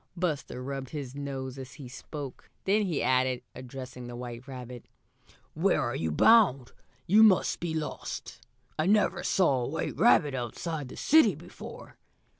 Buster rubbed his nose as he spoke. Then he added, addressing the white rabbit: "Where are you bound? You must be lost. I never saw a white rabbit out of the city before."